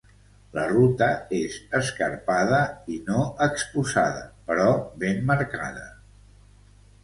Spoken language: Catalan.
La ruta és escarpada i no exposada, però ben marcada.